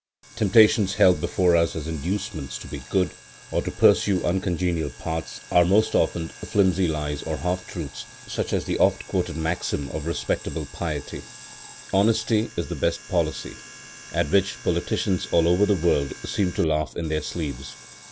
Temptations, held before us as inducements to be good or to pursue uncongenial paths, are most often flimsy lies or half truths, such as the oft quoted maxim of respectable piety, "Honesty is the best policy," at which politicians all over the world seem to laugh in their sleeves.